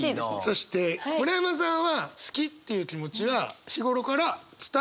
そして村山さんは好きっていう気持ちは日頃から伝える派秘める派？